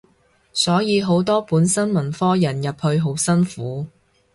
所以好多本身文科人入去好辛苦